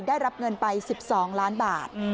ได้รับเงินไป๑๒ล้านบาท